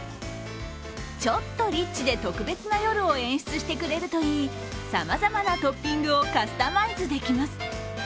ちょっとリッチで特別な夜を演出してくれるといい、さまざまなトッピングをカスタマイズできます。